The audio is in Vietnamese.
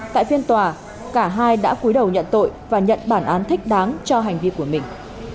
tại phiên tòa cả hai đã cuối đầu nhận tội và nhận bản án thích đáng cho hành vi của mình